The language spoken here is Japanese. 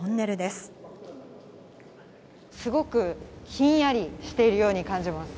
すごくひんやりしているように感じます。